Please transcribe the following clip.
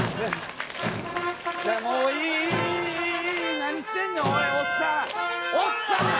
何してんねん！